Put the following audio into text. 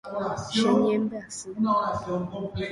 Cheñembyasy.